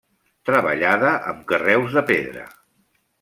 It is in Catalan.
Treballada amb carreus de pedra.